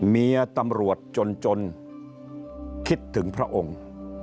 เมียตำรวจจนคิดถึงพระองค์